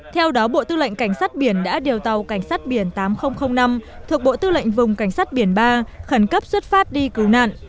theo đó bộ tư lệnh cảnh sát biển đã điều tàu cảnh sát biển tám nghìn năm thuộc bộ tư lệnh vùng cảnh sát biển ba khẩn cấp xuất phát đi cứu nạn